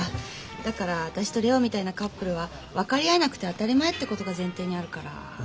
だから私とレオみたいなカップルは分かり合えなくて当たり前ってことが前提にあるから。